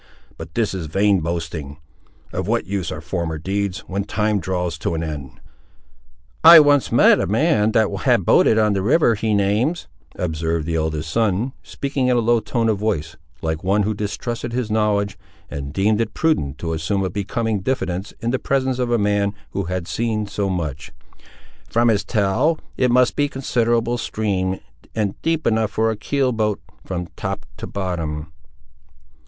But this is vain boasting. Of what use are former deeds, when time draws to an end?" "I once met a man that had boated on the river he names," observed the eldest son, speaking in a low tone of voice, like one who distrusted his knowledge, and deemed it prudent to assume a becoming diffidence in the presence of a man who had seen so much: "from his tell, it must be a considerable stream, and deep enough for a keel boat, from top to bottom."